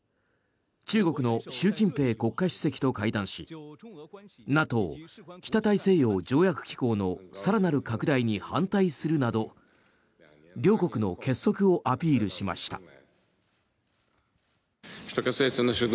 中国の習近平国家主席と会談しＮＡＴＯ・北大西洋条約機構の更なる拡大に反対するなど両国の結束をアピールしました。